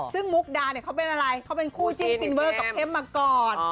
ซึ่งมุกดาเนี่ยเขาเป็นอะไรเขาเป็นคู่จิ้นฟินเวอร์กับเข้มมาก่อน